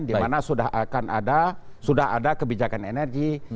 dimana sudah akan ada sudah ada kebijakan energi